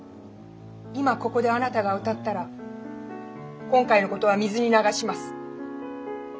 今ここであなたが歌ったら今回のことは水に流します。